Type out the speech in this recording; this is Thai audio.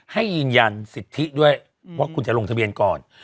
ให้ยืนยันสิทธิด้วยว่าคุณจะลงทะเบียนก่อน